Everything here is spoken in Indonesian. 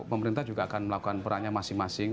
pemerintah juga akan melakukan perannya masing masing